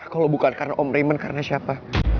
kalau bukan karena om reman karena siapa